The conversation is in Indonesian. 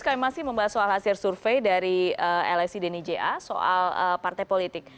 kami masih membahas soal hasil survei dari lsi deni ja soal partai politik